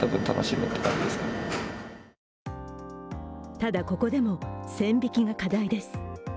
ただ、ここでも線引きが課題です。